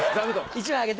１枚あげて。